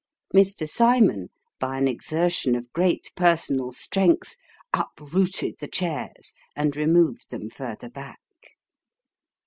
Mr. Cymon, by an exertion of great personal strength, uprooted the chairs, and removed them further back.